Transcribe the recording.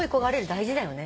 大事だよね。